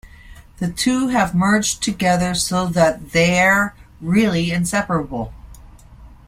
The two have merged together so that they're really inseparable.